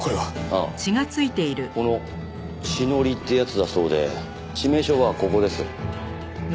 ああこの血のりってやつだそうで致命傷はここです。